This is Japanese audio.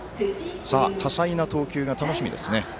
多彩な投球が楽しみですね。